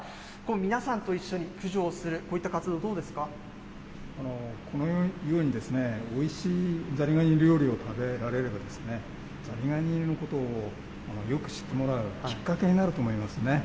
皆さんと一緒に駆除をする、こうこのようにですね、おいしいザリガニ料理を食べられれば、ザリガニのことをよく知ってもらうきっかけになると思いますね。